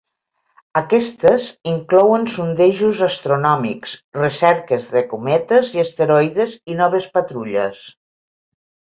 Aquests inclouen sondejos astronòmics, recerques de cometes i asteroides i noves patrulles.